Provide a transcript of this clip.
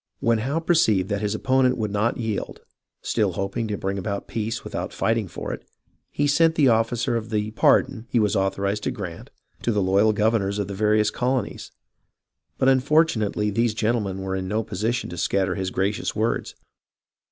When Howe perceived that his opponent would not yield, still hoping to bring about peace without fighting for it, he sent the offer of the " pardon " he was author ized to grant, to the loyal governors of the various colo nies ; but unfortunately these gentlemen were in no position to scatter his gracious words.